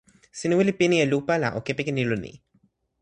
sina wile pini e lupa la o kepeken ilo ni.